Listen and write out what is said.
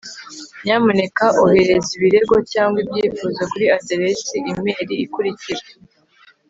nyamuneka ohereza ibirego cyangwa ibyifuzo kuri aderesi imeri ikurikira